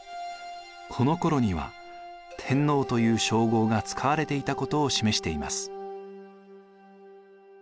このころには天皇という称号が使われていたことを示しています。